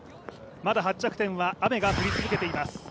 まだ発着点は雨が降り続けています。